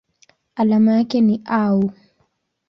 Alama yake ni Au.